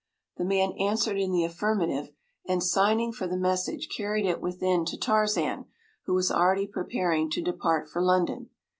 ” The man answered in the affirmative, and, signing for the message, carried it within to Tarzan, who was already preparing to depart for London.